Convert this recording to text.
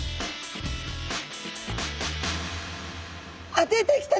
あっ出てきた！